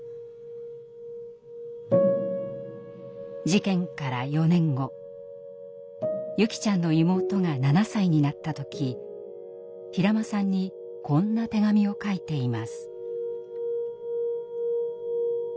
事件から４年後優希ちゃんの妹が７歳になった時平間さんにこんな手紙を書いています。